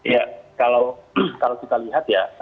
ya kalau kita lihat ya